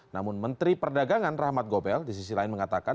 namun menteri perdagangan rahmat gobel di sisi lain mengatakan